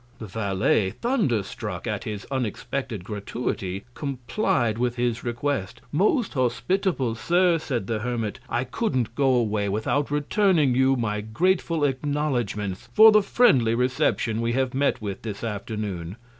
The Valet, thunder struck at his unexpected Gratuity, comply'd with his Request: Most hospitable Sir, said the Hermit, I couldn't go away without returning you my grateful Acknowledgments for the friendly Reception we have met with this Afternoon.